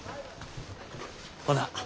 ほな。